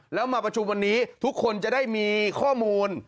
แล้วมาประชุมวันนี้ทุกคนจะได้มีข้อมูล